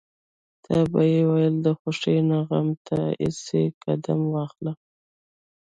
تل به يې ويل د خوښۍ نه غم ته اسې قدم واخله.